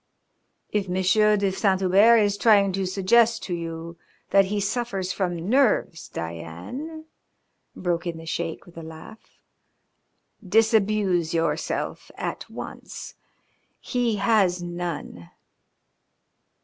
"If Monsieur de Saint Hubert is trying to suggest to you that he suffers from nerves, Diane," broke in the Sheik, with a laugh, "disabuse yourself at once. He has none."